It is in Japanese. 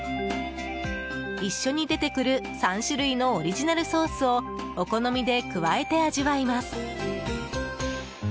一緒に出てくる３種類のオリジナルソースをお好みで加えて味わいます。